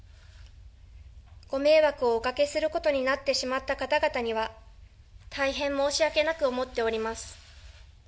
ご迷惑をおかけすることになってしまった方々には、大変申し訳なく思っております。